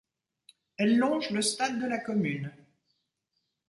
Elle longe le stade de la commune.